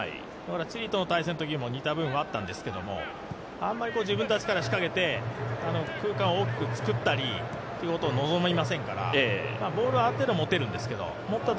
チリとの対戦でも似たシーンがあったんですけどあんまり自分たちから仕掛けて空間を大きく作ったりということを望みませんから、ボールはある程度、持てるんですけど持った